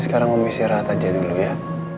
sekarang umisirat aja dulu ya